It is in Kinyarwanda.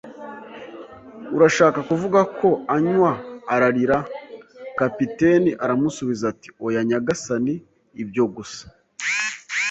“Urashaka kuvuga ko anywa?” ararira. Kapiteni aramusubiza ati: “Oya nyagasani, ibyo gusa